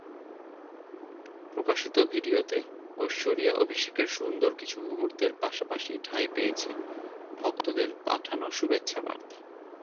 প্রকাশিত ভিডিওতে ঐশ্বরিয়া-অভিষেকের সুন্দর কিছু মুহূর্তের পাশাপাশি ঠাঁই পেয়েছে ভক্তদের পাঠানো শুভেচ্ছাবার্তা।